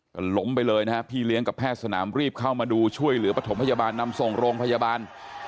ก็ล้มไปเลยนะฮะพี่เลี้ยงกับแพทย์สนามรีบเข้ามาดูช่วยเหลือปฐมพยาบาลนำส่งโรงพยาบาล